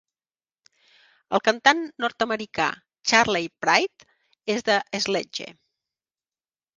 El cantant nord-americà Charley Pride és de Sledge.